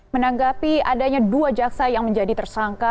menanggapi adanya dua jaksa yang menjadi tersangka